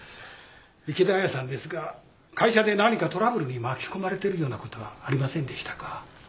池田亜矢さんですが会社で何かトラブルに巻き込まれてるようなことはありませんでしたか？